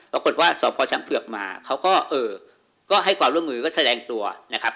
ปรากฏว่าสพช้างเผือกมาเขาก็เออก็ให้ความร่วมมือก็แสดงตัวนะครับ